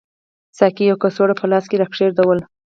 ساقي یوه کڅوړه په لاس کې راکېښودل.